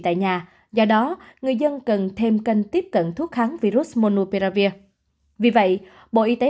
tại nhà do đó người dân cần thêm kênh tiếp cận thuốc kháng virus monopeavir vì vậy bộ y tế